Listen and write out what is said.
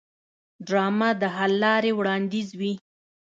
ډرامه د حل لارې وړاندیزوي